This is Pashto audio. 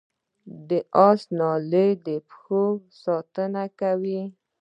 د اس نالونه د پښو ساتنه کوي